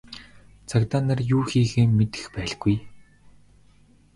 Цагдаа нар юу хийхээ мэдэх байлгүй.